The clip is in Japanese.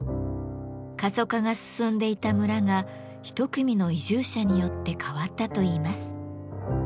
過疎化が進んでいた村が一組の移住者によって変わったといいます。